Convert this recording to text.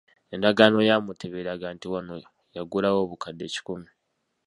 Endagaano ya Mutebi eraga nti wano yagulawo obukadde kikumi.